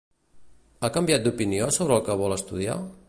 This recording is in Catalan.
Ha canviat d'opinió sobre el que vol estudiar?